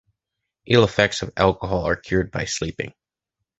Ill effects of alcohol are cured by sleeping.